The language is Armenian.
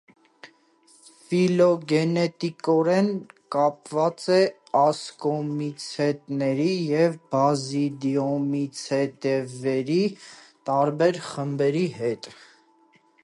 Ֆիլոգենետիկորեն կապված է ասկոմիցետների և բազիդիոմիցետևերի տարբեր խմբերի հետ։